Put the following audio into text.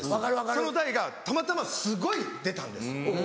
その台がたまたますごい出たんです。